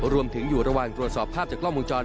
อยู่ระหว่างตรวจสอบภาพจากกล้องวงจร